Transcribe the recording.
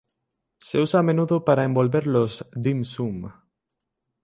Se usa a menudo para envolver los "dim sum".